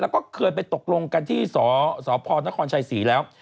แล้วก็เคยไปตกลงกันที่สพนครชัยศรีแล้ว